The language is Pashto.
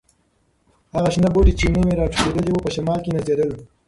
هغه شنه بوټي چې نوي راټوکېدلي وو، په شمال کې نڅېدل.